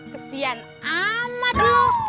kesian amat lo